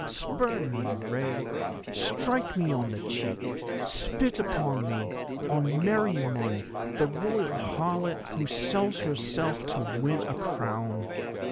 Spurn me, Rei; strike me on the cheek, spit upon me, on Meriamun, the Royal harlot who sells herself to win a crown.